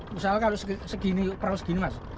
misalnya kalau segini perahu segini mas